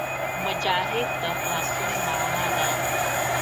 مجاهد د خلاصون نغمه ده.